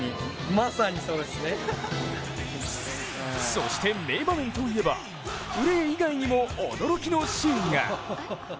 そして名場面といえばプレー以外にも驚きのシーンが。